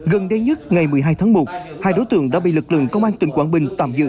gần đây nhất ngày một mươi hai tháng một hai đối tượng đã bị lực lượng công an tỉnh quảng bình tạm giữ